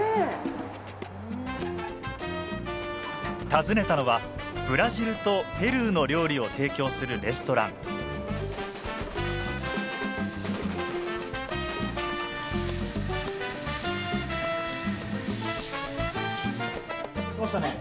訪ねたのはブラジルとペルーの料理を提供するレストラン来ましたね！